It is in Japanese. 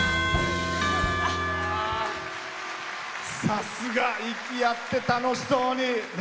さすが息合って楽しそうに。